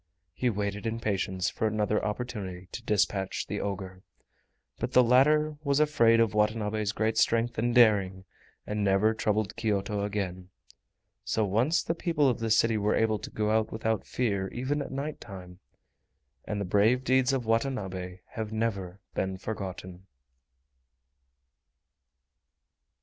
He waited in patience for another opportunity to dispatch the ogre. But the latter was afraid of Watanabe's great strength and daring, and never troubled Kyoto again. So once more the people of the city were able to go out without fear even at night time, and the brave deeds of Watanabe have never been forgotten!